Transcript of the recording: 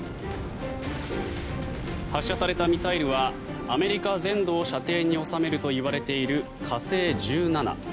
発射されたミサイルはアメリカ全土を射程に収めるといわれている火星１７。